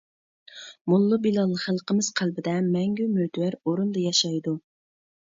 موللا بىلال خەلقىمىز قەلبىدە مەڭگۈ مۆتىۋەر ئورۇندا ياشايدۇ.